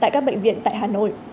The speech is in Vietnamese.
các bệnh viện tại hà nội